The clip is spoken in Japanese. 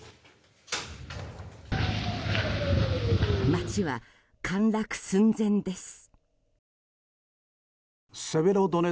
街は、陥落寸前です。